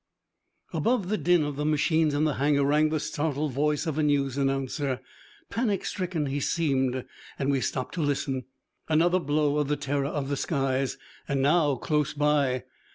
Above the din of the machines in the hangar rang the startled voice of a news announcer. Panic stricken he seemed, and we stopped to listen. Another blow of the terror of the skies and now close by!